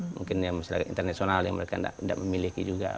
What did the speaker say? mungkin yang masyarakat internasional yang mereka tidak memiliki juga